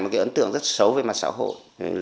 một cái ấn tượng rất xấu về mặt xã hội